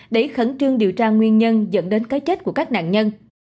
để khẩn trương điều tra nguyên nhân dẫn đến cái chết của các nạn nhân